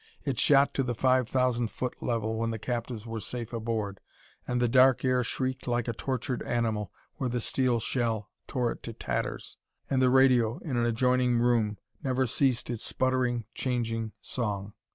It shot to the five thousand foot level, when the captives were safe aboard, and the dark air shrieked like a tortured animal where the steel shell tore it to tatters. And the radio, in an adjoining room, never ceased in its sputtering, changing song.